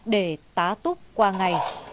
để tá túc qua ngày